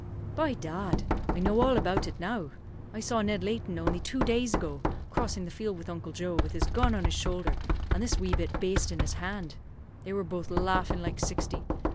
"By dad! I know all about it now. I saw Ned Layton, only two days ago, crossing the field with Uncle Joe, with his gun on his shoulder, and this wee bit baste in his hand. They were both laughing like sixty.